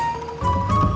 masih ada yang nangis